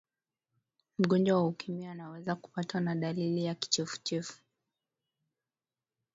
mgonjwa wa ukimwi anaweza kupatwa na dalili ya kichefuchefu